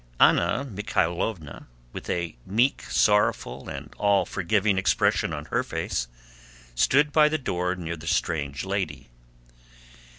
Anna Mikháylovna, with a meek, sorrowful, and all forgiving expression on her face, stood by the door near the strange lady.